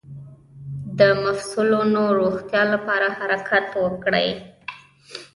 د مفصلونو د روغتیا لپاره حرکت وکړئ